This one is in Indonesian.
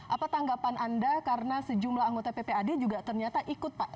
apa tanggapan anda karena sejumlah anggota ppad juga ternyata ikut pak